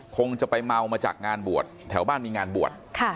คงจะไปเมามาจากงานบวชแถวบ้านมีงานบวช